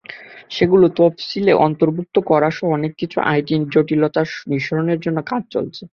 সেগুলো তফসিলে অন্তর্ভুক্ত করাসহ কিছু আইনি জটিলতা নিরসনের জন্য কাজ চলছে।